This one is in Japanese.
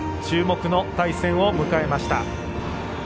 注目の対戦を迎えました。